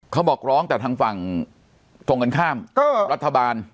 เขาบอกร้องแต่ทางฝั่งตรงกันข้ามก็รัฐบาล